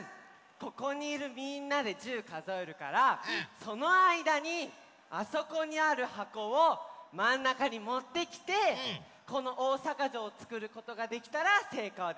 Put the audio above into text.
ここにいるみんなで１０かぞえるからそのあいだにあそこにあるはこをまんなかにもってきてこのおおさかじょうをつくることができたらせいこうです。